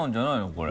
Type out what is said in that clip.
これ。